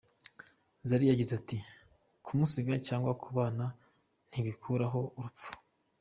Zari yagize ati “Kumusiga cyangwa kubana ntibikuraho urupfu.